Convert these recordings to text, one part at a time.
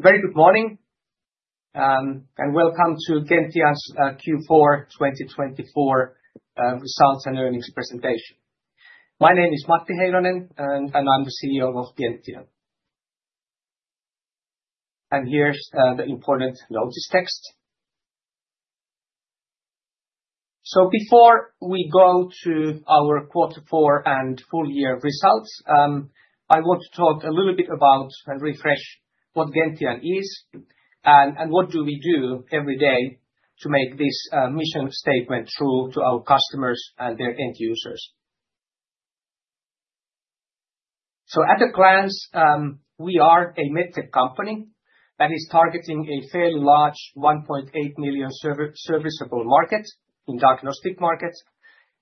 Very good morning, and welcome to Gentian's Q4 2024 results and earnings presentation. My name is Matti Heinonen, and I'm the CEO of Gentian. Here is the important notice text. Before we go to our quarter four and full year results, I want to talk a little bit about and refresh what Gentian is and what we do everyday to make this mission statement true to our customers and their end users. At a glance, we are a medtech company that is targeting a fairly large 1.8 million serviceable market in diagnostic markets,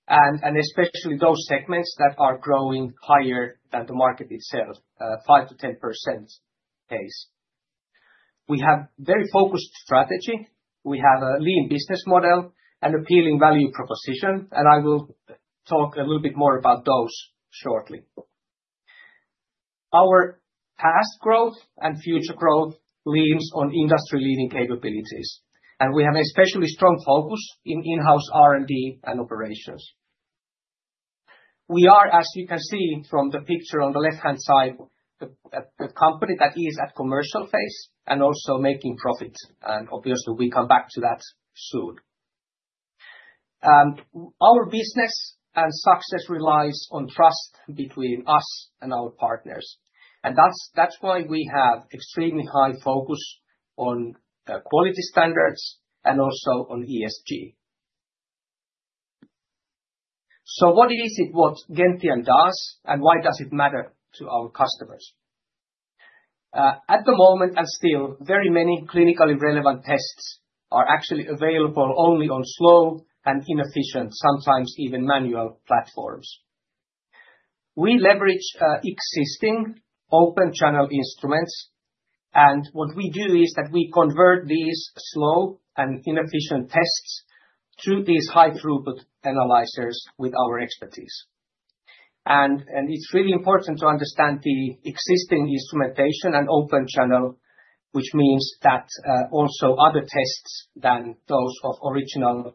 and especially those segments that are growing higher than the market itself, 5%-10% case. We have a very focused strategy. We have a lean business model and an appealing value proposition, and I will talk a little bit more about those shortly. Our past growth and future growth leans on industry-leading capabilities, and we have a especially strong focus in in-house R&D and operations. We are, as you can see from the picture on the left-hand side, the company that is at the commercial phase and also making profits, and obviously, we come back to that soon. Our business and success relies on trust between us and our partners, and that's why we have an extremely high focus on quality standards and also on ESG. What is it that Gentian does, and why does it matter to our customers? At the moment, and still, very many clinically relevant tests are actually available only on slow and inefficient, sometimes even manual platforms. We leverage existing open-channel instruments, and what we do is that we convert these slow and inefficient tests to these high-throughput analyzers with our expertise. It is really important to understand the existing instrumentation and open channel, which means that also other tests than those of original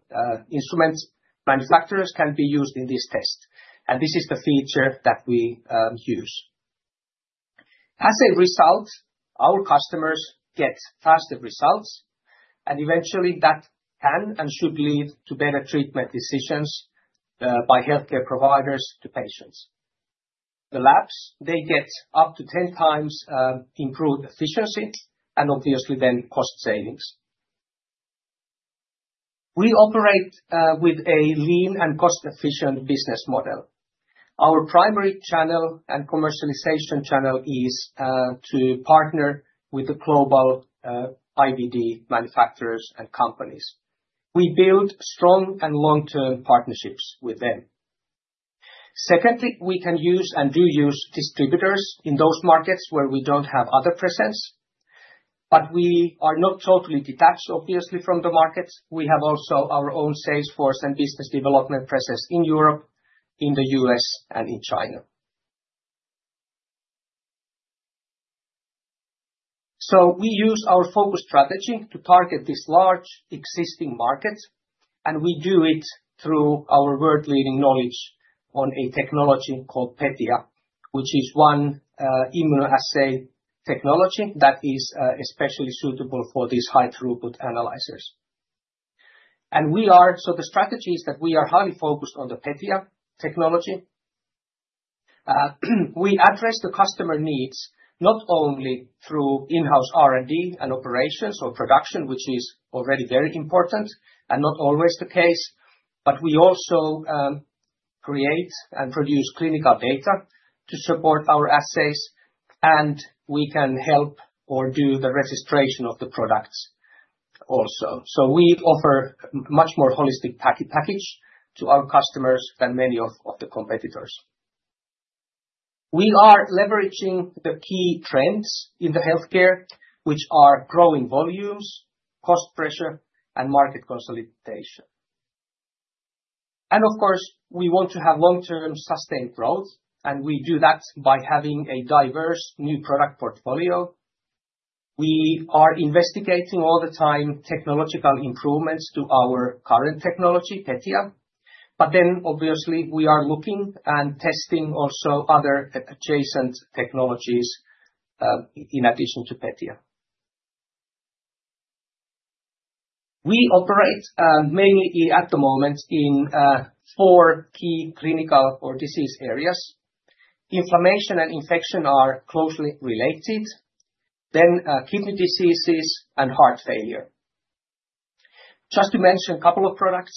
instruments manufacturers can be used in this test. This is the feature that we use. As a result, our customers get faster results, and eventually, that can and should lead to better treatment decisions by healthcare providers to patients. The labs, they get up to 10 times improved efficiency and obviously then cost savings. We operate with a lean and cost-efficient business model. Our primary channel and commercialization channel is to partner with the global IVD manufacturers and companies. We build strong and long-term partnerships with them. Secondly, we can use and do use distributors in those markets where we do not have other presence, but we are not totally detached, obviously, from the markets. We have also our own salesforce and business development presence in Europe, in the U.S., and in China. We use our focus strategy to target this large existing market, and we do it through our world-leading knowledge on a technology called PETIA, which is one immunoassay technology that is especially suitable for these high-throughput analyzers. We are, the strategy is that we are highly focused on the PETIA technology. We address the customer needs not only through in-house R&D and operations or production, which is already very important and not always the case, but we also create and produce clinical data to support our assays, and we can help or do the registration of the products also. We offer a much more holistic package to our customers than many of the competitors. We are leveraging the key trends in healthcare, which are growing volumes, cost pressure, and market consolidation. Of course, we want to have long-term sustained growth, and we do that by having a diverse new product portfolio. We are investigating all the time technological improvements to our current technology, PETIA, but obviously we are looking and testing also other adjacent technologies in addition to PETIA. We operate mainly at the moment in four key clinical or disease areas. Inflammation and infection are closely related, then kidney diseases and heart failure. Just to mention a couple of products,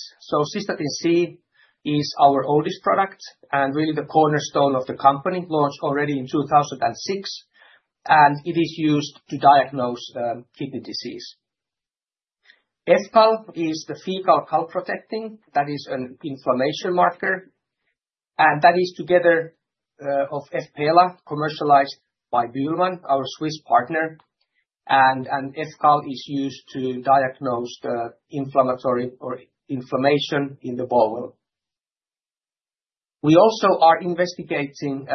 Cystatin C is our oldest product and really the cornerstone of the company, launched already in 2006, and it is used to diagnose kidney disease. EFCAL is the fecal calprotectin that is an inflammation marker, and that is together with EFPELA, commercialized by Bühlmann, our Swiss partner, and EFCAL is used to diagnose the inflammation in the bowel. We also are investigating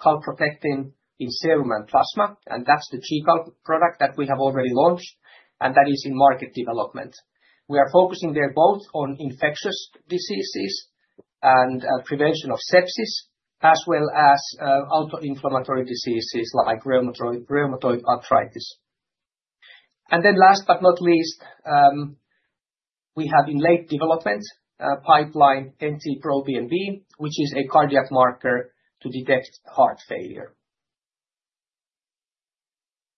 calprotectin in serum and plasma, and that's the G-CAL product that we have already launched, and that is in market development. We are focusing there both on infectious diseases and prevention of sepsis, as well as autoinflammatory diseases like rheumatoid arthritis. Last but not least, we have in late development pipeline NT-proBNP, which is a cardiac marker to detect heart failure.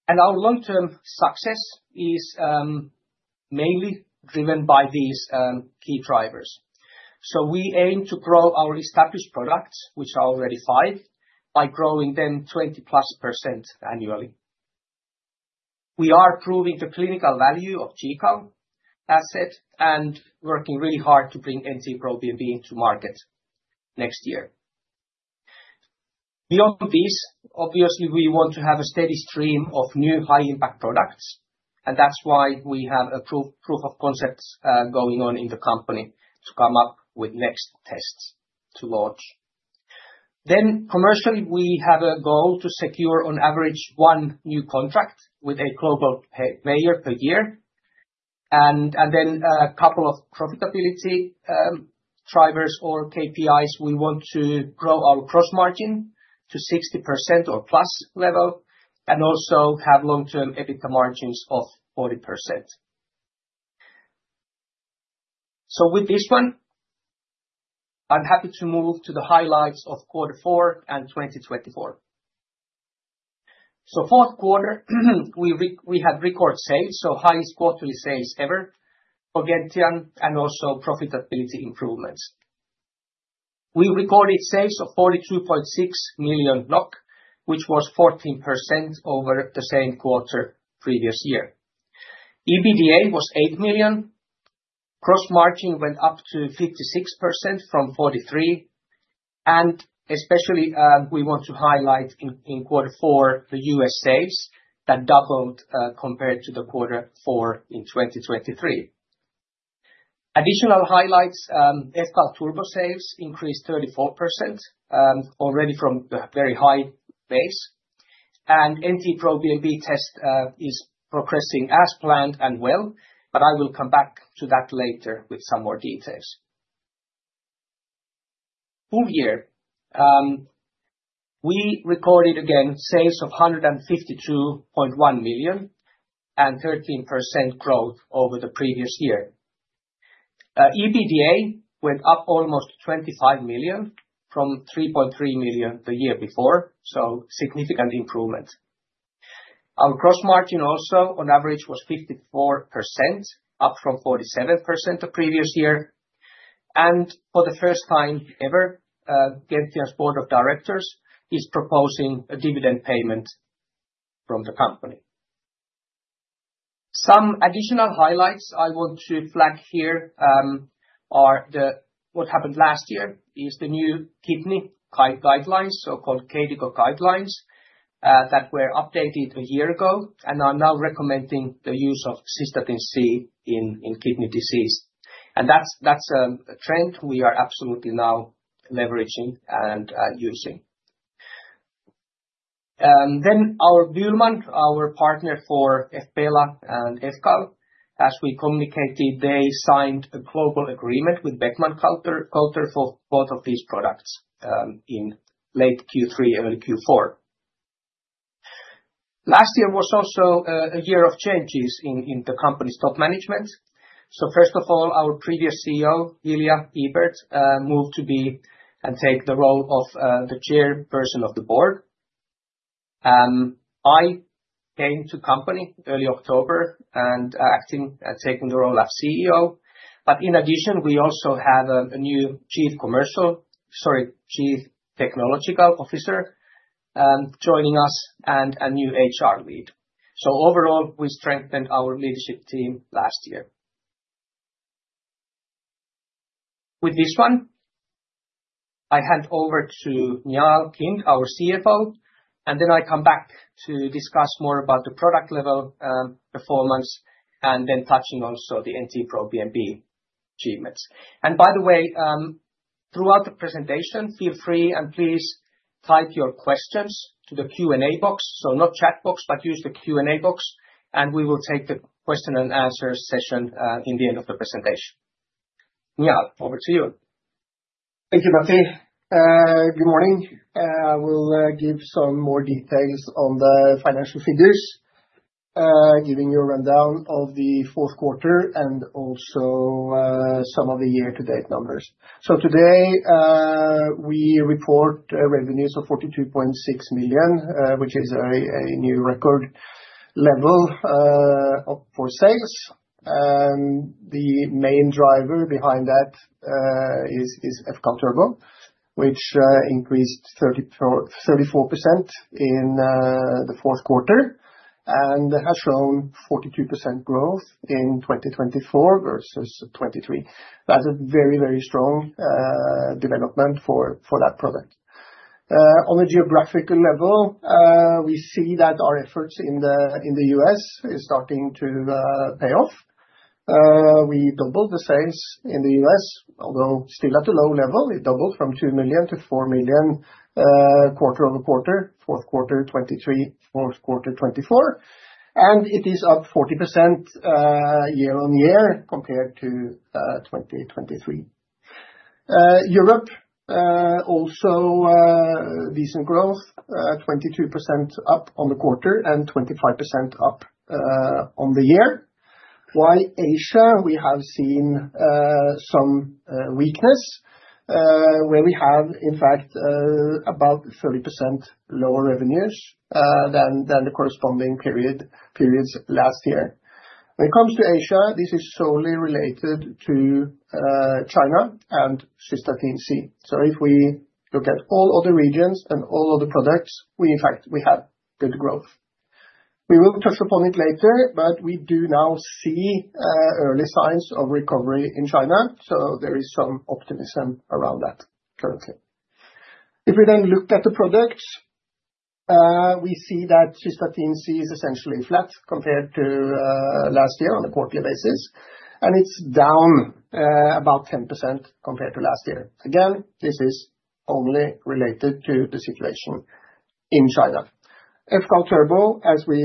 Our long-term success is mainly driven by these key drivers. We aim to grow our established products, which are already five, by growing them 20% annually. We are proving the clinical value of the G-CAL asset and working really hard to bring NT-proBNP into market next year. Beyond this, obviously we want to have a steady stream of new high-impact products, and that's why we have a proof of concept going on in the company to come up with next tests to launch. Then commercially, we have a goal to secure on average one new contract with a global payer per year, and then a couple of profitability drivers or KPIs. We want to grow our gross margin to 60% or plus level and also have long-term EBITDA margins of 40%. With this one, I'm happy to move to the highlights of quarter four and 2024. Fourth quarter, we had record sales, so highest quarterly sales ever for Gentian and also profitability improvements. We recorded sales of 42.6 million NOK, which was 14% over the same quarter previous year. EBITDA was 8 million. Gross margin went up to 56% from 43%, and especially we want to highlight in quarter four the U.S. sales that doubled compared to quarter four in 2023. Additional highlights, EFCAL turbo sales increased 34% already from a very high base, and NT-proBNP test is progressing as planned and well, I will come back to that later with some more details. Full year, we recorded again sales of 152.1 million and 13% growth over the previous year. EBITDA went up almost 25 million from 3.3 million the year before, so significant improvement. Our gross margin also on average was 54%, up from 47% the previous year, and for the first time ever, Gentian's board of directors is proposing a dividend payment from the company. Some additional highlights I want to flag here are what happened last year is the new kidney guidelines, so-called CADIGO guidelines, that were updated a year ago and are now recommending the use of Cystatin C in kidney disease. That is a trend we are absolutely now leveraging and using. Our Bühlmann, our partner for EFPELA and EFCAL, as we communicated, they signed a global agreement with Beckman Coulter for both of these products in late Q3, early Q4. Last year was also a year of changes in the company's top management. First of all, our previous CEO, Hilja Ibert, moved to be and take the role of the chairperson of the board. I came to the company early October and acting and taking the role of CEO, but in addition, we also have a new Chief Technological Officer joining us and a new HR lead. Overall, we strengthened our leadership team last year. With this one, I hand over to Njaal Kind, our CFO, and then I come back to discuss more about the product level performance and then touching also the NT-proBNP achievements. By the way, throughout the presentation, feel free and please type your questions to the Q&A box, not chat box, but use the Q&A box, and we will take the question-and-answer session in the end of the presentation. Njaal, over to you. Thank you, Matti. Good morning. I will give some more details on the financial figures, giving you a rundown of the fourth quarter and also some of the year-to-date numbers. Today we report revenues of 42.6 million, which is a new record level for sales. The main driver behind that is EFCAL turbo, which increased 34% in the fourth quarter and has shown 42% growth in 2024 versus 2023. That's a very, very strong development for that product. On a geographical level, we see that our efforts in the U.S. are starting to pay off. We doubled the sales in the U.S., although still at a low level. It doubled from 2 million to 4 million quarter-over-quarter, fourth quarter 2023, fourth quarter 2024, and it is up 40% year-on-year compared to 2023. Europe also decent growth, 22% up on the quarter and 25% up on the year. While Asia, we have seen some weakness where we have in fact about 30% lower revenues than the corresponding periods last year. When it comes to Asia, this is solely related to China and Cystatin C. If we look at all other regions and all other products, we in fact have good growth. We will touch upon it later, but we do now see early signs of recovery in China, so there is some optimism around that currently. If we then look at the products, we see that Cystatin C is essentially flat compared to last year on a quarterly basis, and it's down about 10% compared to last year. Again, this is only related to the situation in China. EFCAL turbo, as we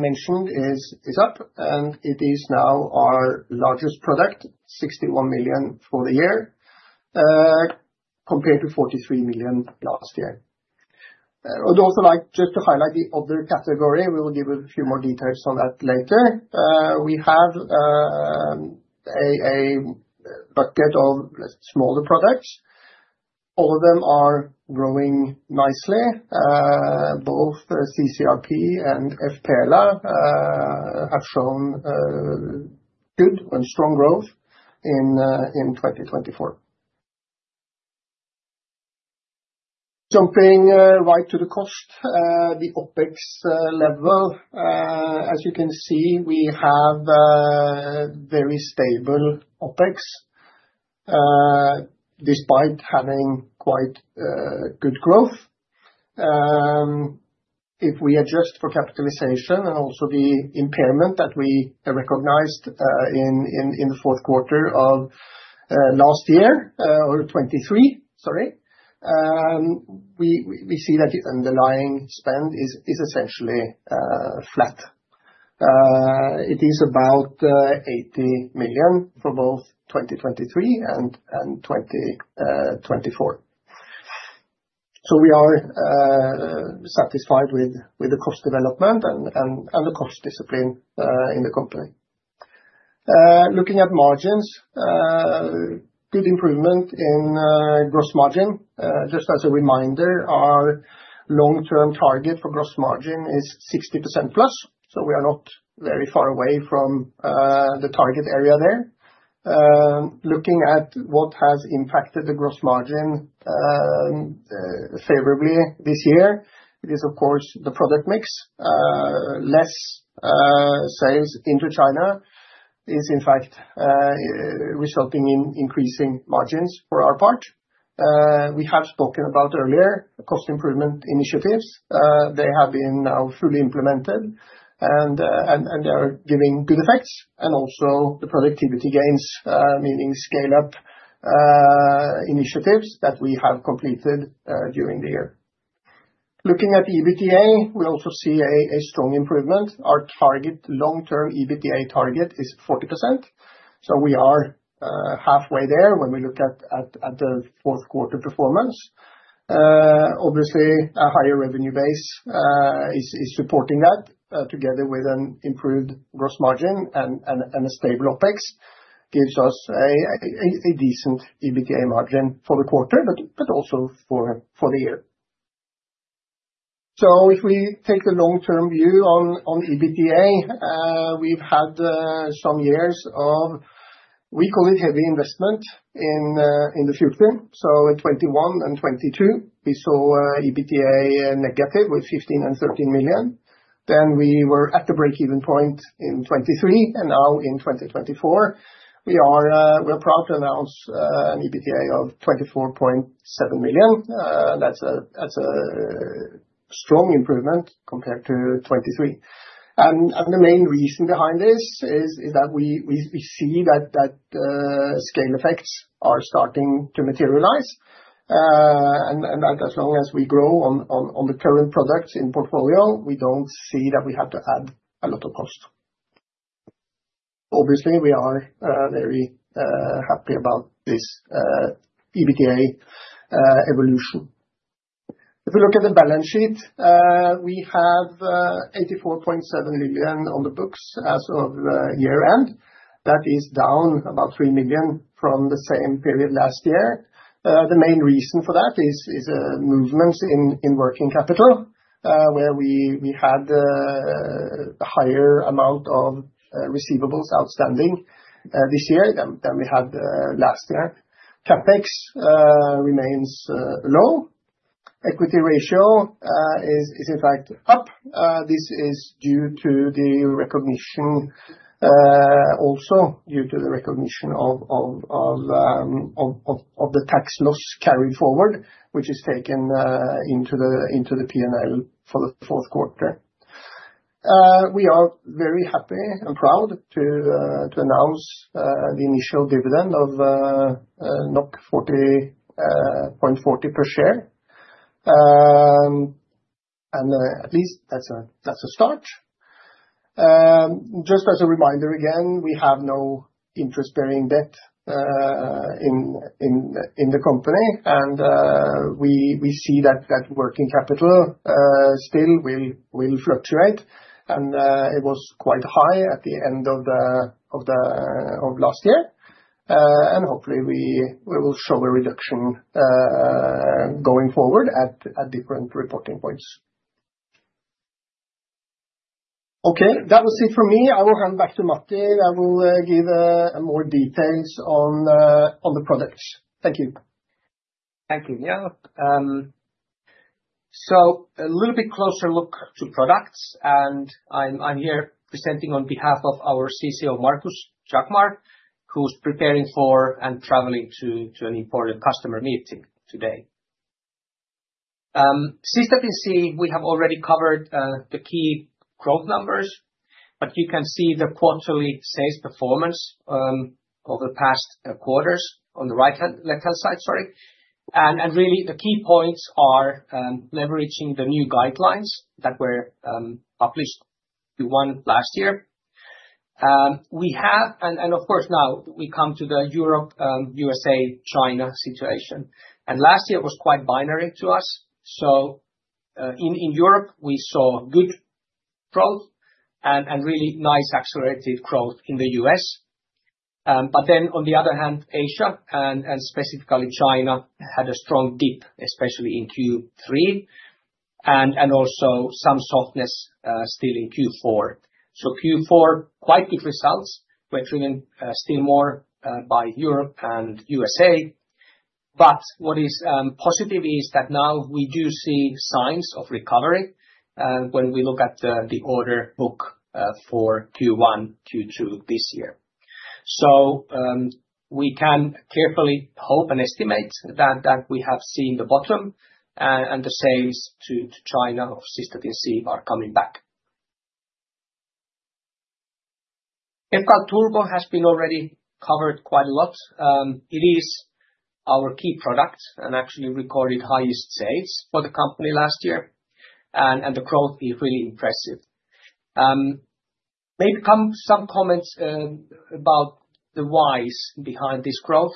mentioned, is up, and it is now our largest product, 61 million for the year compared to 43 million last year. I'd also like just to highlight the other category. We will give a few more details on that later. We have a bucket of smaller products. All of them are growing nicely. Both CCRP and EFPELA have shown good and strong growth in 2024. Jumping right to the cost, the OpEx level, as you can see, we have very stable OpEx despite having quite good growth. If we adjust for capitalization and also the impairment that we recognized in the fourth quarter of last year or 2023, sorry, we see that the underlying spend is essentially flat. It is about 80 million for both 2023 and 2024. We are satisfied with the cost development and the cost discipline in the company. Looking at margins, good improvement in gross margin. Just as a reminder, our long-term target for gross margin is 60%+, so we are not very far away from the target area there. Looking at what has impacted the gross margin favorably this year, it is of course the product mix. Less sales into China is in fact resulting in increasing margins for our part. We have spoken about earlier cost improvement initiatives. They have been now fully implemented, and they are giving good effects, and also the productivity gains, meaning scale-up initiatives that we have completed during the year. Looking at EBITDA, we also see a strong improvement. Our target, long-term EBITDA target, is 40%, so we are halfway there when we look at the fourth quarter performance. Obviously, a higher revenue base is supporting that together with an improved gross margin and a stable OpEx gives us a decent EBITDA margin for the quarter, but also for the year. If we take the long-term view on EBITDA, we've had some years of, we call it heavy investment in the future. In 2021 and 2022, we saw EBITDA negative with 15 million and 13 million. We were at the break-even point in 2023, and now in 2024, we are proud to announce an EBITDA of 24.7 million. That's a strong improvement compared to 2023. The main reason behind this is that we see that scale effects are starting to materialize, and that as long as we grow on the current products in portfolio, we don't see that we have to add a lot of cost. Obviously, we are very happy about this EBITDA evolution. If we look at the balance sheet, we have 84.7 million on the books as of year-end. That is down about 3 million from the same period last year. The main reason for that is movements in working capital, where we had a higher amount of receivables outstanding this year than we had last year. CapEx remains low. Equity ratio is in fact up. This is due to the recognition, also due to the recognition of the tax loss carried forward, which is taken into the P&L for the fourth quarter. We are very happy and proud to announce the initial dividend of 40.40 per share. At least that's a start. Just as a reminder again, we have no interest-bearing debt in the company, and we see that working capital still will fluctuate, and it was quite high at the end of last year. Hopefully, we will show a reduction going forward at different reporting points. Okay, that was it for me. I will hand back to Matti. I will give more details on the products. Thank you. Thank you, Njaal. A little bit closer look to products, and I'm here presenting on behalf of our CCO, Markus Jaquemar, who's preparing for and traveling to an important customer meeting today. Cystatin C, we have already covered the key growth numbers, but you can see the quarterly sales performance over the past quarters on the left-hand side, sorry. Really, the key points are leveraging the new guidelines that were published last year. We have, and of course now we come to the Europe, USA, China situation. Last year was quite binary to us. In Europe, we saw good growth and really nice accelerated growth in the U.S.. Then, on the other hand, Asia and specifically China had a strong dip, especially in Q3, and also some softness still in Q4. Q4, quite good results were driven still more by Europe and USA. What is positive is that now we do see signs of recovery when we look at the order book for Q1, Q2 this year. We can carefully hope and estimate that we have seen the bottom and the sales to China of Cystatin C are coming back. EFCAL turbo has been already covered quite a lot. It is our key product and actually recorded highest sales for the company last year, and the growth is really impressive. Maybe some comments about the whys behind this growth.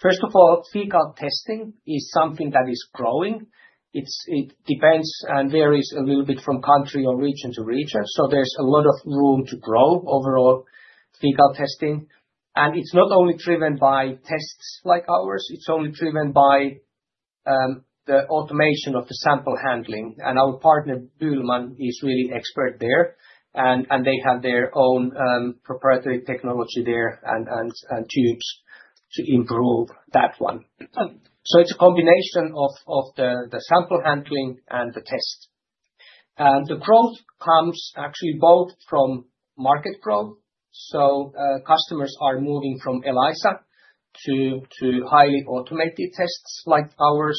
First of all, fecal testing is something that is growing. It depends and varies a little bit from country or region to region, so there's a lot of room to grow overall fecal testing. It's not only driven by tests like ours, it's only driven by the automation of the sample handling. Our partner, Bühlmann, is really expert there, and they have their own proprietary technology there and tubes to improve that one. It's a combination of the sample handling and the test. The growth comes actually both from market growth. Customers are moving from ELISA to highly automated tests like ours.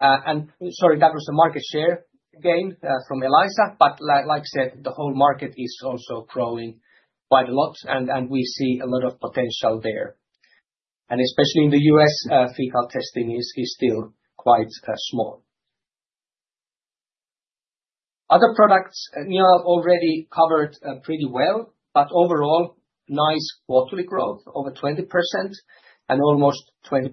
Sorry, that was a market share gain from ELISA, but like I said, the whole market is also growing quite a lot, and we see a lot of potential there. Especially in the U.S., fecal testing is still quite small. Other products, Njaal already covered pretty well, but overall, nice quarterly growth over 20% and almost 20%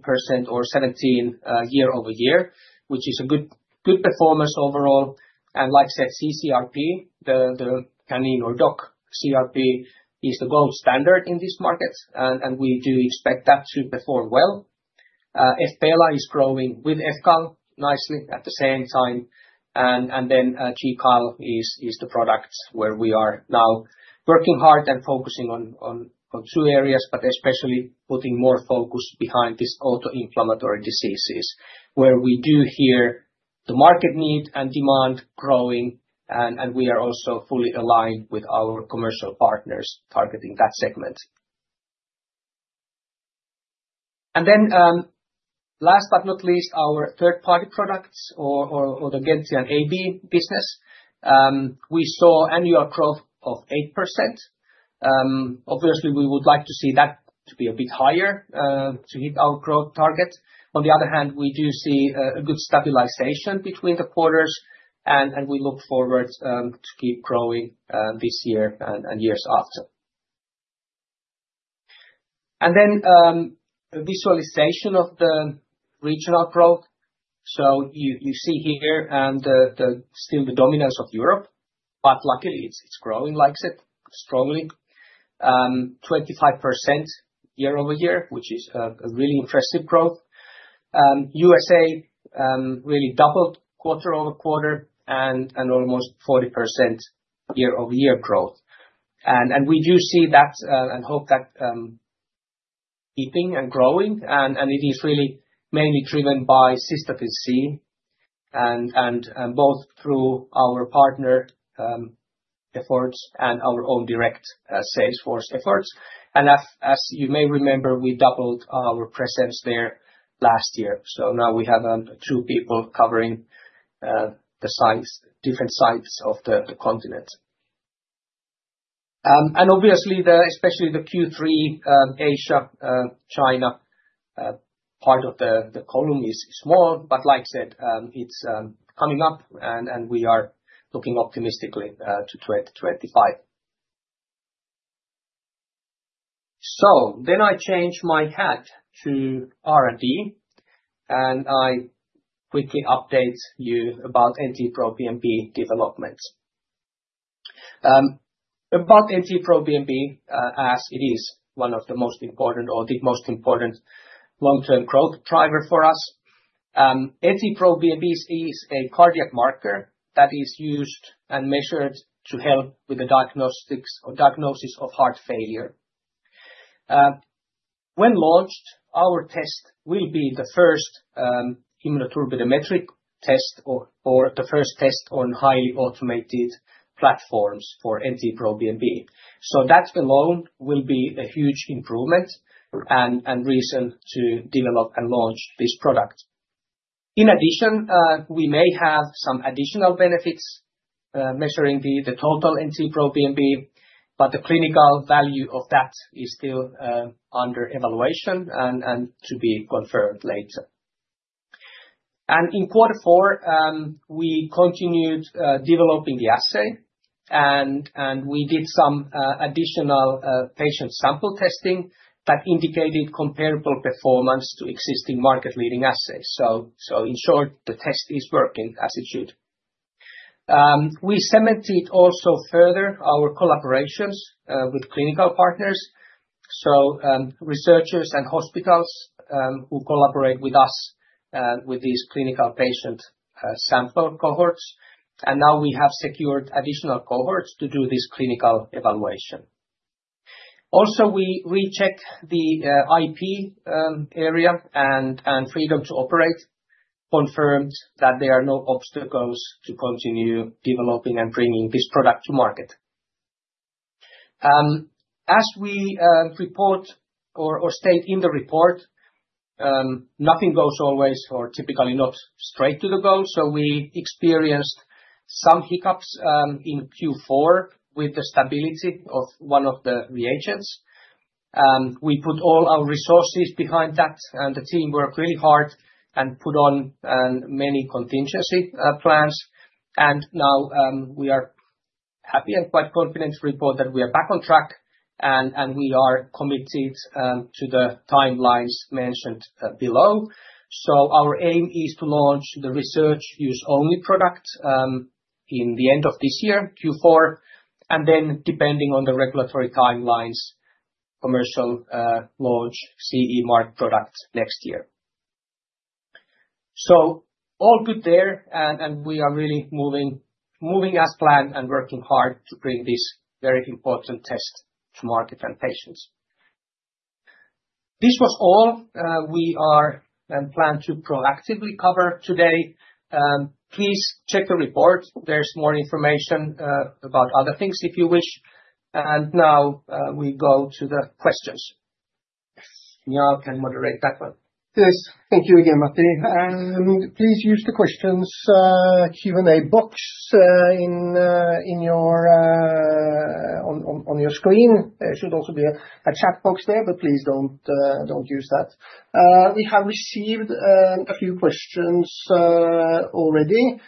or 17% year-over-year, which is a good performance overall. Like I said, CCRP, the canine or dog CRP, is the gold standard in this market, and we do expect that to perform well. EFPELA is growing with EFCAL nicely at the same time, and G-CAL is the product where we are now working hard and focusing on two areas, but especially putting more focus behind these autoinflammatory diseases, where we do hear the market need and demand growing, and we are also fully aligned with our commercial partners targeting that segment. Last but not least, our third-party products or the Gentian AB business. We saw annual growth of 8%. Obviously, we would like to see that to be a bit higher to hit our growth target. On the other hand, we do see a good stabilization between the quarters, and we look forward to keep growing this year and years after. Visualization of the regional growth. You see here still the dominance of Europe, but luckily it's growing like I said, strongly, 25% year-over-year, which is a really impressive growth. USA really doubled quarter-over-quarter and almost 40% year-over-year growth. We do see that and hope that keeping and growing, and it is really mainly driven by Cystatin C and both through our partner efforts and our own direct sales force efforts. As you may remember, we doubled our presence there last year. Now we have two people covering the different sides of the continent. Obviously, especially the Q3 Asia, China part of the column is small, but like I said, it's coming up, and we are looking optimistically to 2025. I change my hat to R&D, and I quickly update you about NT-proBNP development. About NT-proBNP, as it is one of the most important or the most important long-term growth driver for us, NT-proBNP is a cardiac marker that is used and measured to help with the diagnosis of heart failure. When launched, our test will be the first immunoturbidimetric test or the first test on highly automated platforms for NT-proBNP. That alone will be a huge improvement and reason to develop and launch this product. In addition, we may have some additional benefits measuring the total NT-proBNP, but the clinical value of that is still under evaluation and to be confirmed later. In quarter four, we continued developing the assay, and we did some additional patient sample testing that indicated comparable performance to existing market-leading assays. In short, the test is working as it should. We cemented also further our collaborations with clinical partners, so researchers and hospitals who collaborate with us with these clinical patient sample cohorts. We have secured additional cohorts to do this clinical evaluation. We rechecked the IP area and freedom to operate, confirmed that there are no obstacles to continue developing and bringing this product to market. As we report or state in the report, nothing goes always or typically not straight to the goal. We experienced some hiccups in Q4 with the stability of one of the reagents. We put all our resources behind that, and the team worked really hard and put on many contingency plans. We are happy and quite confident to report that we are back on track, and we are committed to the timelines mentioned below. Our aim is to launch the research-use-only product at the end of this year, Q4, and then depending on the regulatory timelines, commercial launch CE mark product next year. All good there, and we are really moving as planned and working hard to bring this very important test to market and patients. This was all we planned to proactively cover today. Please check the report. There is more information about other things if you wish. Now we go to the questions. Njaal can moderate that one. Yes, thank you again, Matti. Please use the questions Q&A box on your screen. There should also be a chat box there, but please don't use that. We have received a few questions already,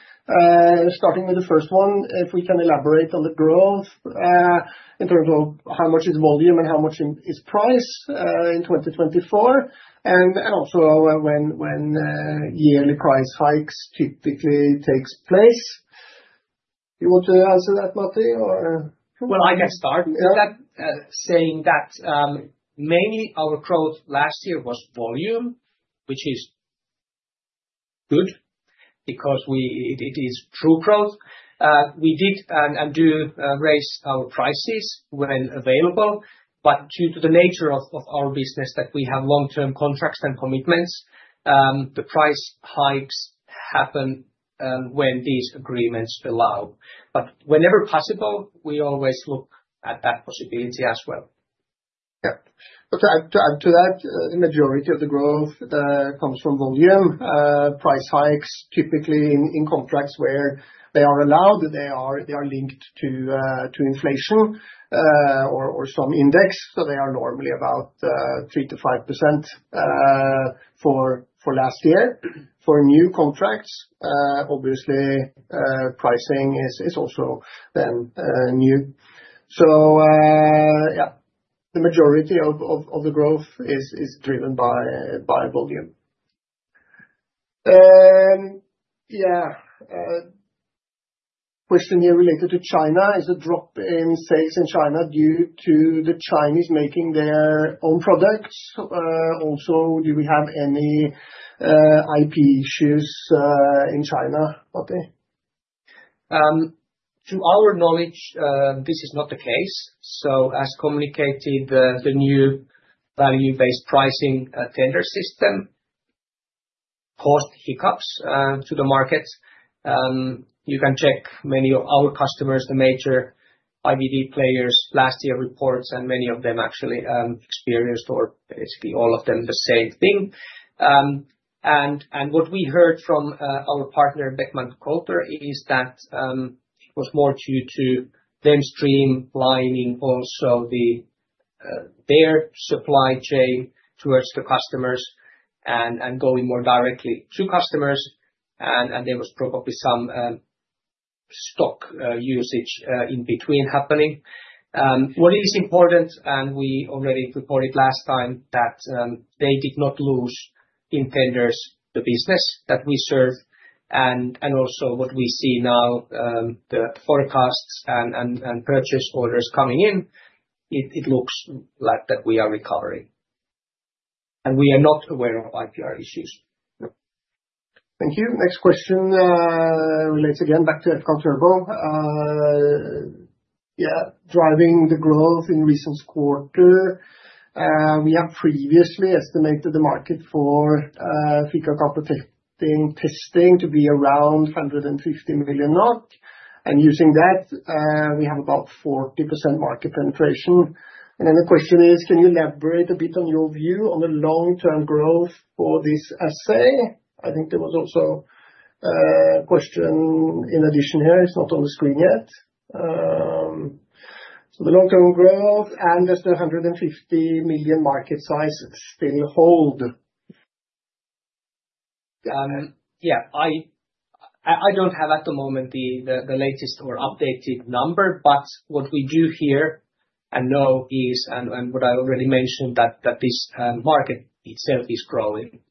starting with the first one. If we can elaborate on the growth in terms of how much is volume and how much is price in 2024, and also when yearly price hikes typically take place. Do you want to answer that, Matti? I can start. Saying that mainly our growth last year was volume, which is good because it is true growth. We did and do raise our prices when available, but due to the nature of our business that we have long-term contracts and commitments, the price hikes happen when these agreements allow. Whenever possible, we always look at that possibility as well. Yeah. Okay. To that, the majority of the growth comes from volume. Price hikes typically in contracts where they are allowed, they are linked to inflation or some index. They are normally about 3%-5% for last year. For new contracts, obviously, pricing is also then new. Yeah, the majority of the growth is driven by volume. Yeah. Question here related to China. Is the drop in sales in China due to the Chinese making their own products? Also, do we have any IP issues in China, Matti? To our knowledge, this is not the case. As communicated, the new value-based pricing tender system caused hiccups to the market. You can check many of our customers, the major IVD players, last year reports, and many of them actually experienced, or basically all of them, the same thing. What we heard from our partner, Beckman Coulter, is that it was more due to them streamlining also their supply chain towards the customers and going more directly to customers. There was probably some stock usage in between happening. What is important, and we already reported last time, is that they did not lose in tenders the business that we serve. Also, what we see now, the forecasts and purchase orders coming in, it looks like we are recovering. We are not aware of IPR issues. Thank you. Next question relates again back to EFCAL turbo. Yeah, driving the growth in recent quarter, we have previously estimated the market for fecal calprotectin testing to be around 150 million NOK. And using that, we have about 40% market penetration. The question is, can you elaborate a bit on your view on the long-term growth for this assay? I think there was also a question in addition here. It is not on the screen yet. The long-term growth and just the 150 million market size still hold. Yeah, I don't have at the moment the latest or updated number, but what we do hear and know is, and what I already mentioned, that this market itself is growing.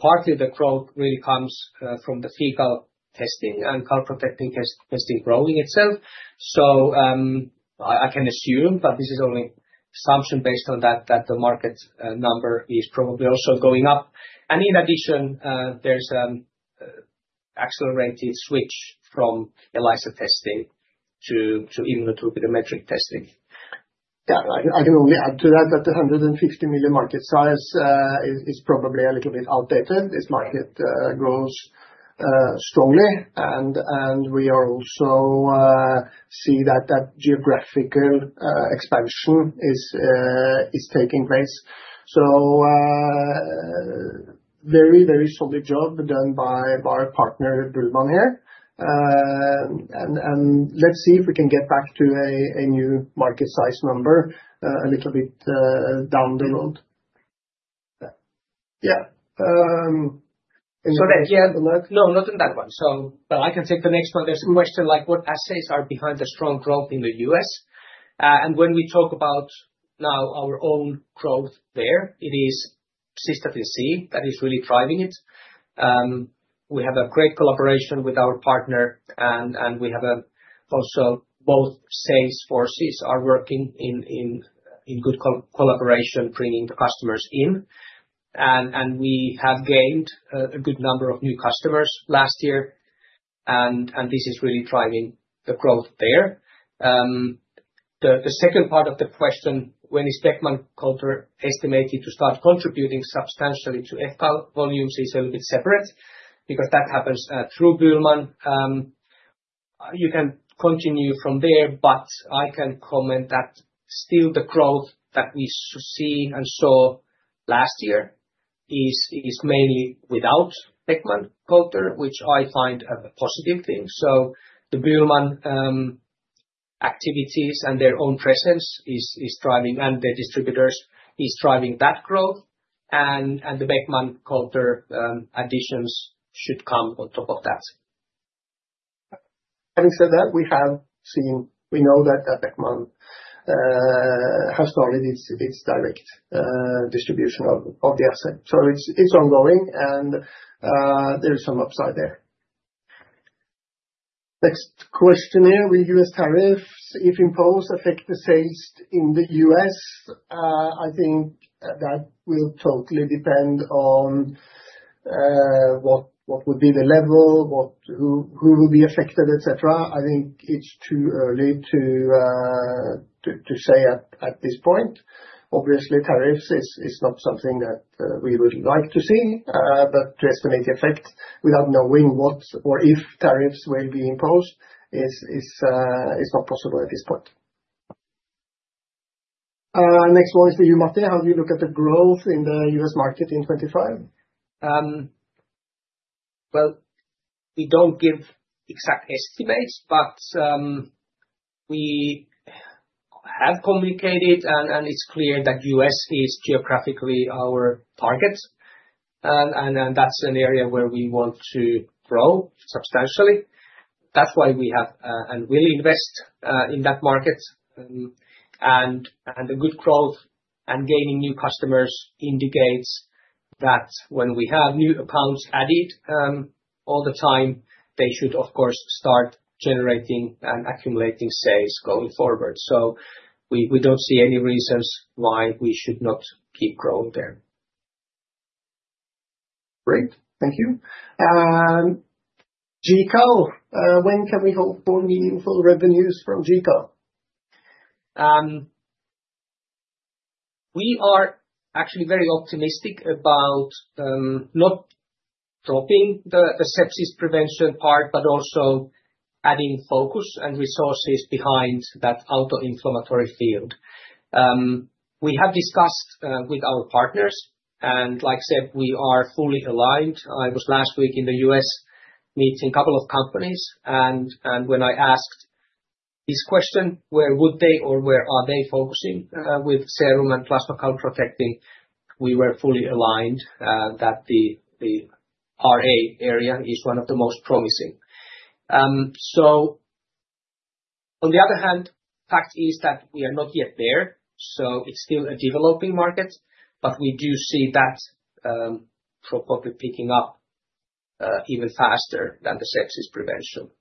Partly the growth really comes from the fecal testing and calprotectin testing growing itself. I can assume, but this is only assumption based on that, that the market number is probably also going up. In addition, there's an accelerated switch from ELISA testing to immunoturbidimetric testing. Yeah, I can only add to that that the $150 million market size is probably a little bit outdated. This market grows strongly, and we also see that geographical expansion is taking place. Very, very solid job done by our partner Bühlmann here. Let's see if we can get back to a new market size number a little bit down the road. Yeah. Thank you. No, not in that one. I can take the next one. There's a question like what assays are behind the strong growth in the U.S.? When we talk about now our own growth there, it is Cystatin C that is really driving it. We have a great collaboration with our partner, and we have also both sales forces are working in good collaboration, bringing the customers in. We have gained a good number of new customers last year, and this is really driving the growth there. The second part of the question, when is Beckman Coulter estimated to start contributing substantially to EFCAL volumes, is a little bit separate because that happens through Bühlmann. You can continue from there, but I can comment that still the growth that we see and saw last year is mainly without Beckman Coulter, which I find a positive thing. The Bühlmann activities and their own presence is driving, and the distributors is driving that growth. The Beckman Coulter additions should come on top of that. Having said that, we have seen, we know that Beckman Coulter has started its direct distribution of the assay. It is ongoing, and there is some upside there. Next question here, will U.S. tariffs, if imposed, affect the sales in the U.S.? I think that will totally depend on what would be the level, who will be affected, etc. I think it is too early to say at this point. Obviously, tariffs are not something that we would like to see, but to estimate the effect without knowing what or if tariffs will be imposed is not possible at this point. Next one is for you, Matti. How do you look at the growth in the U.S. market in 2025? We do not give exact estimates, but we have communicated, and it is clear that the U.S. is geographically our target. That is an area where we want to grow substantially. That is why we have and will invest in that market. The good growth and gaining new customers indicates that when we have new accounts added all the time, they should, of course, start generating and accumulating sales going forward. We do not see any reasons why we should not keep growing there. Great. Thank you. G-CAL, when can we hope for meaningful revenues from G-CAL? We are actually very optimistic about not dropping the sepsis prevention part, but also adding focus and resources behind that autoinflammatory field. We have discussed with our partners, and like I said, we are fully aligned. I was last week in the U.S. meeting a couple of companies, and when I asked this question, where would they or where are they focusing with serum and plasma calprotectin, we were fully aligned that the RA area is one of the most promising. On the other hand, the fact is that we are not yet there. It is still a developing market, but we do see that probably picking up even faster than the sepsis prevention.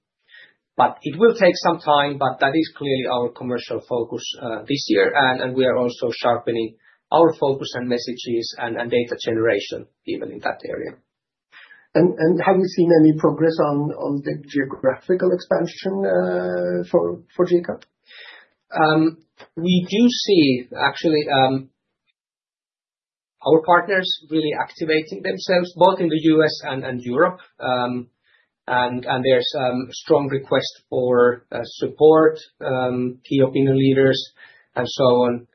It will take some time, but that is clearly our commercial focus this year. We are also sharpening our focus and messages and data generation even in that area. Have you seen any progress on the geographical expansion for G-CAL? We do see actually our partners really activating themselves both in the U.S. and Europe. There's a strong request for support, key opinion leaders, and so on.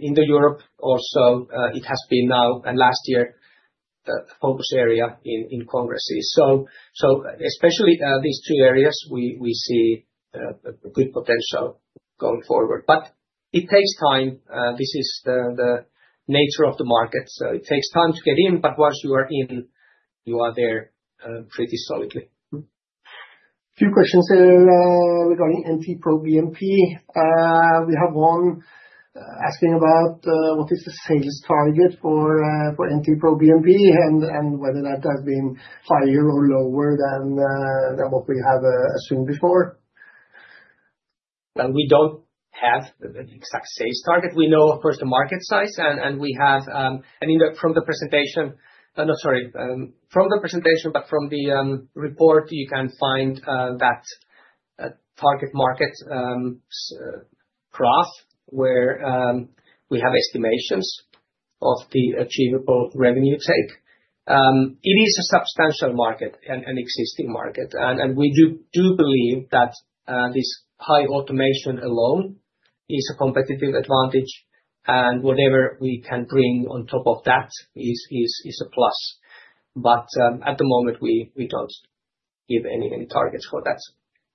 In Europe, also it has been now and last year the focus area in Congress. Especially these two areas, we see good potential going forward. It takes time. This is the nature of the market. It takes time to get in, but once you are in, you are there pretty solidly. A few questions here regarding NT-proBNP. We have one asking about what is the sales target for NT-proBNP and whether that has been higher or lower than what we have assumed before. We do not have an exact sales target. We know, of course, the market size. I mean, from the presentation, no, sorry, from the presentation, but from the report, you can find that target market graph where we have estimations of the achievable revenue take. It is a substantial market and existing market. We do believe that this high automation alone is a competitive advantage. Whatever we can bring on top of that is a plus. At the moment, we do not give any targets for that.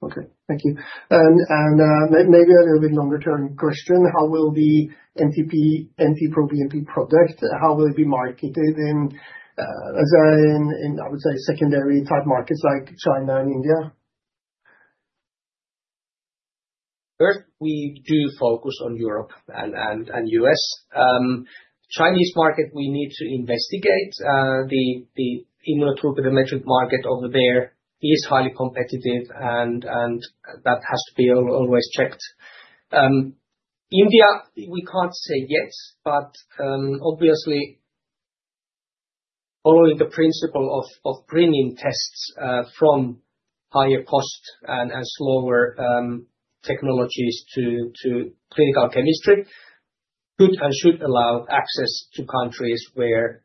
Okay. Thank you. Maybe a little bit longer-term question. How will the NT-proBNP product, how will it be marketed in, as I would say, secondary type markets like China and India? First, we do focus on Europe and U.S.. Chinese market, we need to investigate. The immunoturbidimetric market over there is highly competitive, and that has to be always checked. India, we can't say yet, but obviously, following the principle of bringing tests from higher cost and slower technologies to clinical chemistry, could and should allow access to countries where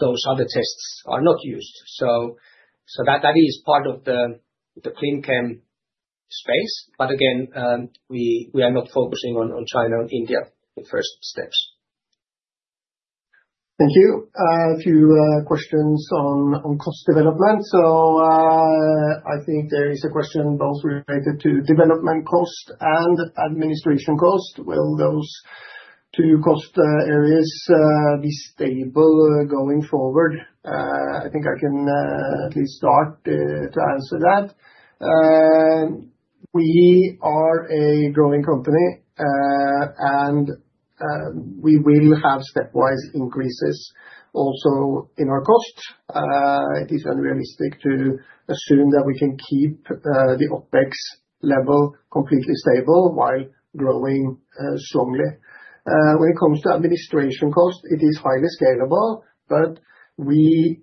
those other tests are not used. That is part of the clin chem space. Again, we are not focusing on China and India. The first steps. Thank you. A few questions on cost development. I think there is a question both related to development cost and administration cost. Will those two cost areas be stable going forward? I think I can at least start to answer that. We are a growing company, and we will have stepwise increases also in our cost. It is unrealistic to assume that we can keep the OpEx level completely stable while growing strongly. When it comes to administration cost, it is highly scalable, but we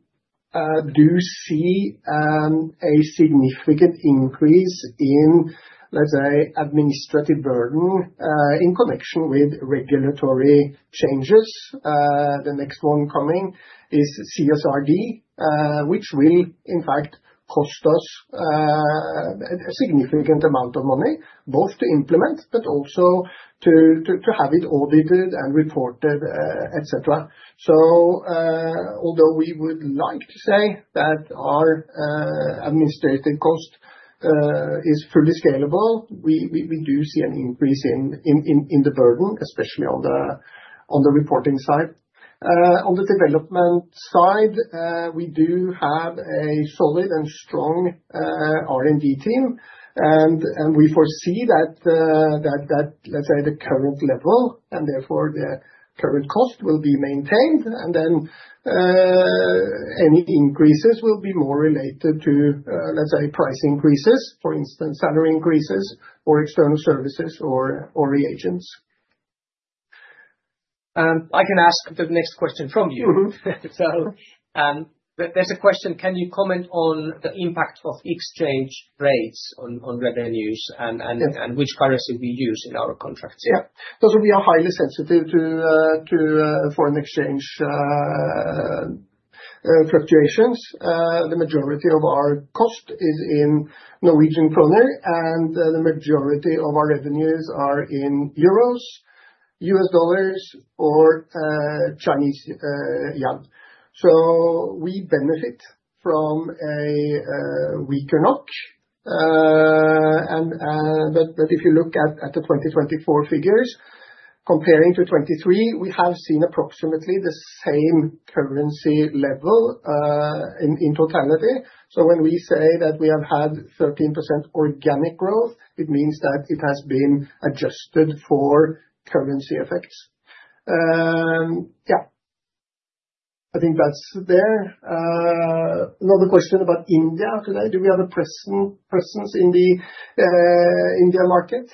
do see a significant increase in, let's say, administrative burden in connection with regulatory changes. The next one coming is CSRD, which will in fact cost us a significant amount of money, both to implement, but also to have it audited and reported, etc. Although we would like to say that our administrative cost is fully scalable, we do see an increase in the burden, especially on the reporting side. On the development side, we do have a solid and strong R&D team, and we foresee that, let's say, the current level and therefore the current cost will be maintained. Any increases will be more related to, let's say, price increases, for instance, salary increases or external services or reagents. I can ask the next question from you. There is a question. Can you comment on the impact of exchange rates on revenues and which currency we use in our contracts? Yeah. We are highly sensitive to foreign exchange fluctuations. The majority of our cost is in Norwegian kroner, and the majority of our revenues are in euros, US dollars, or Chinese yen. We benefit from a weaker NOK. If you look at the 2024 figures, comparing to 2023, we have seen approximately the same currency level in totality. When we say that we have had 13% organic growth, it means that it has been adjusted for currency effects. I think that's there. Another question about India today. Do we have a presence in the India market?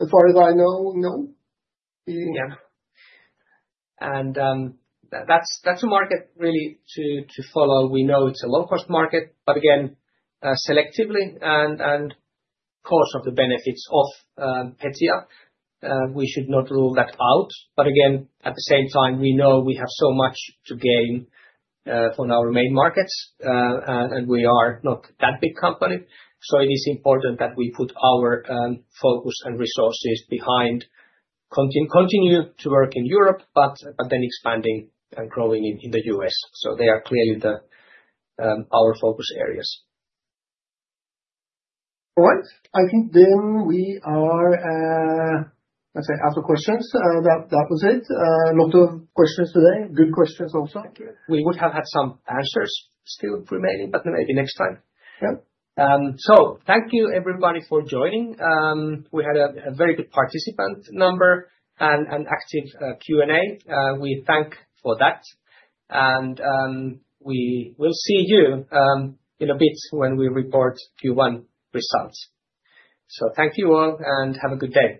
As far as I know, no. Yeah. That is a market really to follow. We know it is a low-cost market, but again, selectively and because of the benefits of HETIA, we should not rule that out. Again, at the same time, we know we have so much to gain from our main markets, and we are not that big company. It is important that we put our focus and resources behind, continue to work in Europe, but then expanding and growing in the U.S.. They are clearly our focus areas. All right. I think then we are, let's say, after questions. That was it. A lot of questions today. Good questions also. We would have had some answers still remaining, but maybe next time. Thank you everybody for joining. We had a very good participant number and active Q&A. We thank you for that. We will see you in a bit when we report Q1 results. Thank you all and have a good day.